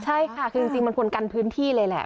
ใช่ค่ะคือจริงมันควรกันพื้นที่เลยแหละ